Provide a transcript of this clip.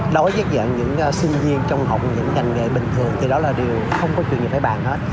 đối với dạng những sinh viên trong học những ngành nghề bình thường thì đó là điều không có chuyện gì phải bàn hết